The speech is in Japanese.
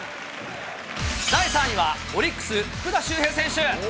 第３位はオリックス、福田周平選手。